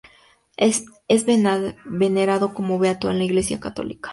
Es venerado como beato en la Iglesia católica.